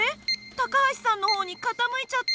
高橋さんの方に傾いちゃって。